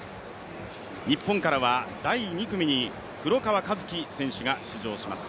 日本からは第２組に黒川和樹選手が出場します。